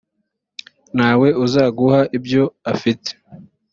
na we azaguha ibyo afite